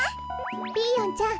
ピーヨンちゃん